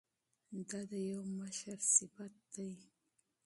دا د یو مشر صفت دی.